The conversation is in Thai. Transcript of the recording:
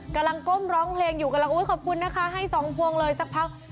กำคมร้องเพลงขอบคุณนะคะให้สองพวงเลยสักพัก